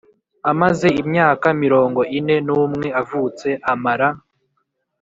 Amaze imyaka mirongo ine n umwe avutse amara